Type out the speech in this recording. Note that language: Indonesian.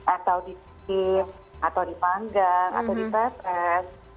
atau di sip atau dipanggang atau dipapas